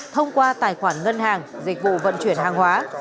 thông qua tài khoản ngân hàng dịch vụ vận chuyển hàng hóa